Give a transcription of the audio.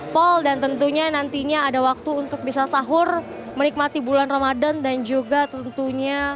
pol dan tentunya nantinya ada waktu untuk bisa sahur menikmati bulan ramadhan dan juga tentunya